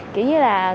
kiểu như là